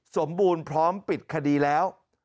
สมบูรณ์พร้อมปิดคดีแล้ว